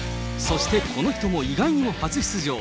そしてこの人も意外にも初出場。